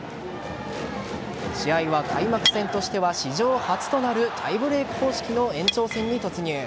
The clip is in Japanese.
試合は開幕戦としては史上初となるタイブレーク方式の延長戦に突入。